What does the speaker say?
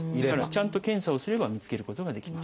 ちゃんと検査をすれば見つけることができます。